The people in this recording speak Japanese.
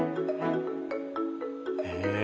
へえ！